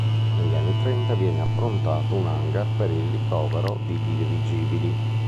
Negli anni trenta viene approntato un hangar per il ricovero di dirigibili.